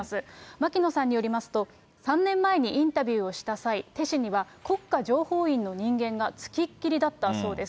牧野さんによりますと、３年前にインタビューをした際、テ氏には、国家情報院の人間が付きっきりだったそうです。